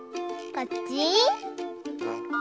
こっち？